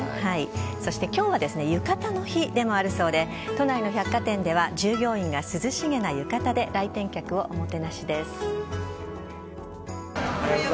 そして今日はゆかたの日でもあるそうで都内の百貨店では従業員が涼しげな浴衣で来店客をおもてなしです。